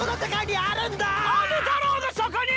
あるだろうがそこに！